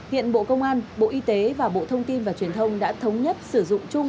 hiện bộ công an bộ y tế và bộ thông tin và truyền thông đã thống nhất sử dụng chung